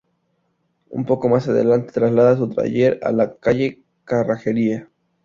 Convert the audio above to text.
Un poco más adelante traslada su taller a la calle Cerrajería.